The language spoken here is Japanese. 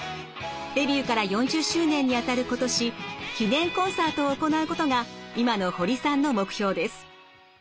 デビューから４０周年にあたる今年記念コンサートを行うことが今の堀さんの目標です。